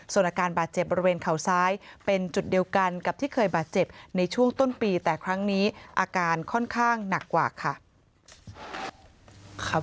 ส่วนอาการบาดเจ็บบริเวณเข่าซ้ายเป็นจุดเดียวกันกับที่เคยบาดเจ็บในช่วงต้นปีแต่ครั้งนี้อาการค่อนข้างหนักกว่าค่ะ